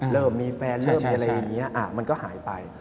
เริ่มมีแฟนเริ่มมีอะไรอย่างนี้มันก็หายไป